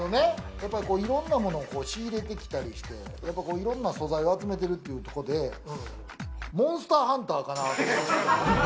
いろんなものを仕入れてきたりして、いろんな素材を集めてるっていうことで、モンスターハンターかなって。